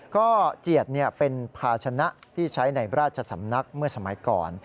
ก็เจียดเป็นภาชนะที่ใช้ในราชสำนักเมื่อสมัยก่อน